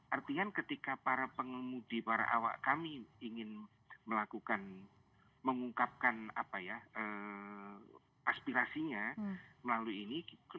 artinya ketika para pengemudi para awak kami ingin melakukan mengungkapkan aspirasinya melalui ini